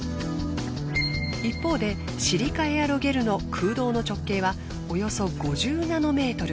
一方でシリカエアロゲルの空洞の直径はおよそ５０ナノメートル。